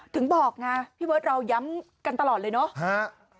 ถึงบอกไงพี่เบิร์ตเราย้ำกันตลอดเลยเนาะ